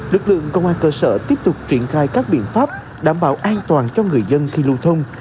lực lượng công an cơ sở tiếp tục triển khai các biện pháp đảm bảo an toàn cho người dân khi lưu thông